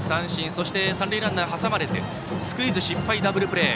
そして三塁ランナーも挟まれてスクイズ失敗、ダブルプレー。